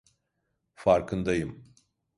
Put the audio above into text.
Farkındayım.